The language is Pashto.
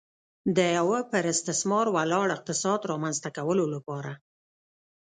د یوه پر استثمار ولاړ اقتصاد رامنځته کولو لپاره.